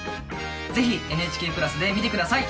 是非「ＮＨＫプラス」で見て下さい！